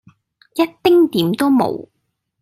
一丁點都無